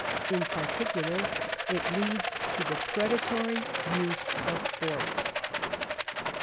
In particular, it leads to the predatory use of force.